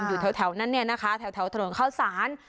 อยู่แถวแถวนั้นเนี่ยนะคะแถวแถวถนนข้าวสาร